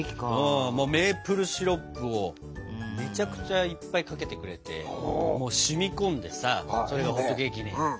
メープルシロップをめちゃくちゃいっぱいかけてくれてもう染み込んでさそれがホットケーキに。